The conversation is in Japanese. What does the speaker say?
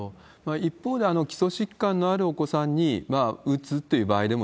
一方で、基礎疾患のあるお子さんに打つという場合でも、